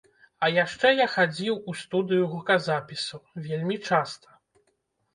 А яшчэ я хадзіў у студыю гуказапісу, вельмі часта.